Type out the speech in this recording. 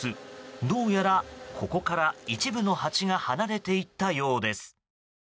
どうやらここから一部のハチが離れていったようです。